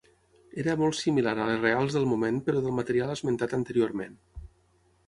Era molt similar a les reals del moment però del material esmentat anteriorment.